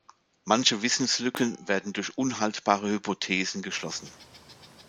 Manche Wissenslücken werden durch unhaltbare Hypothesen geschlossen.